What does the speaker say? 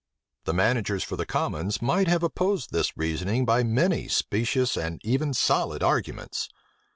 The managers for the commons might have opposed this reasoning by many specious and even solid arguments.